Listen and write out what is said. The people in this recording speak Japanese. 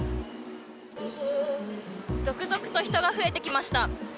続々と人が増えてきました。